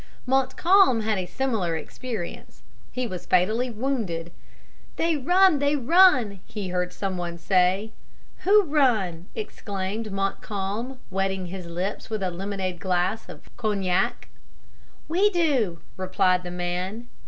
Montcalm had a similar experience. He was fatally wounded. "They run! They run!" he heard some one say. "Who run?" exclaimed Montcalm, wetting his lips with a lemonade glass of cognac. "We do," replied the man.